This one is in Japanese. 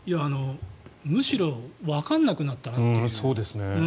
むしろわからなくなったなという。